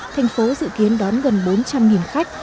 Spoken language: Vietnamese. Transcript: thành phố dự kiến đón gần bốn trăm linh khách